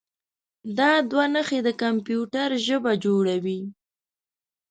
دا دوه نښې د کمپیوټر ژبه جوړوي.